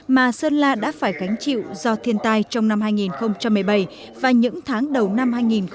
mà sơn la đã phải gánh chịu do thiên tai trong năm hai nghìn một mươi bảy và những tháng đầu năm hai nghìn một mươi tám